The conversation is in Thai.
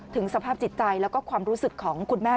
สภาพจิตใจแล้วก็ความรู้สึกของคุณแม่